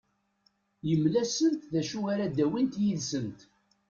Yemla-asent d acu ara d-awint yid-sent.